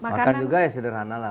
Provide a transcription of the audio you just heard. makan juga ya sederhana lah